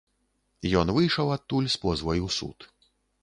Ён выйшаў адтуль з позвай у суд.